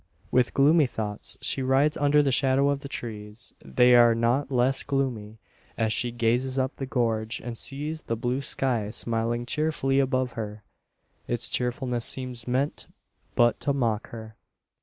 With gloomy thoughts she rides under the shadow of the trees. They are not less gloomy, as she gazes up the gorge, and sees the blue sky smiling cheerfully above her. Its cheerfulness seems meant but to mock her!